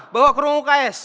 bawa ke ruang uks